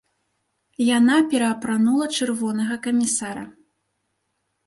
Яна пераапранула чырвонага камісара.